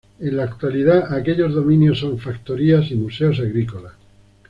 En la actualidad, aquellos dominios son factorías y museos agrícolas.